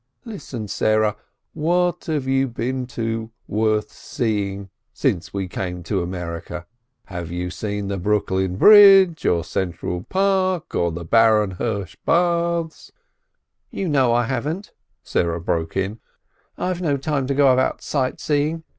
Listen, Sarah, what have you been to worth seeing since we came to America ? Have you seen Brooklyn Bridge, or 'Central Park, or the Baron Hirsch baths?" "You know I haven't!" Sarah broke in. "I've no time to go about sight seeing.